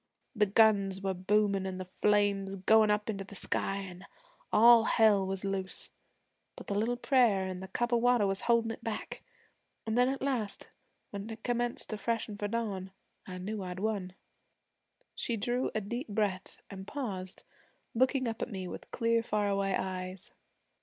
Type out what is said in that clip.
The guns were boomin', an' the flames goin' up into the sky, an' all Hell was loose, but the little prayer an' the cup of water was holdin' it back. An' then at last, when it commenced to freshen for dawn, I knew I'd won.' She drew a deep breath, and paused, looking up at me with clear, far away eyes.